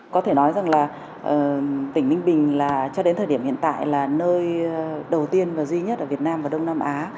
có thể nói rằng là tỉnh ninh bình là cho đến thời điểm hiện tại là nơi đầu tiên và duy nhất ở việt nam và đông nam á